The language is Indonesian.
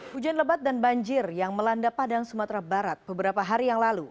hujan lebat dan banjir yang melanda padang sumatera barat beberapa hari yang lalu